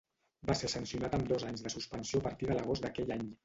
Va ser sancionat amb dos anys de suspensió a partir de l'agost d'aquell any.